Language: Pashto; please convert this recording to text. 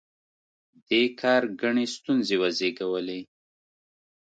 دې کار ګڼې ستونزې وزېږولې.